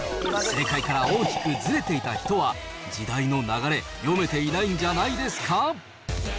正解から大きくずれていた人は、時代の流れ、読めていないんじゃないですか？